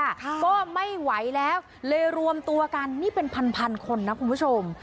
ค่ะก็ไม่ไหวแล้วเลยรวมตัวกันนี่เป็นพันพันคนนะคุณผู้ชม